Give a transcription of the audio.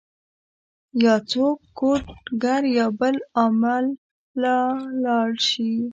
يا څوک کوډ ګر يا بل عامل له لاړ شي